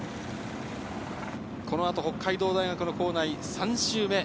この後、北海道大学の構内３周目。